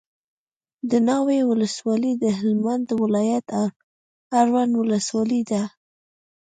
دناوی ولسوالي دهلمند ولایت اړوند ولسوالي ده